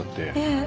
ええ。